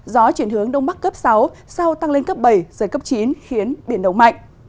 gió chuyển hướng đông bắc cấp sáu sau tăng lên cấp bảy giới cấp chín khiến biển đông mạnh